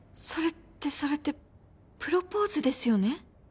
それってそれってプロポーズですよね？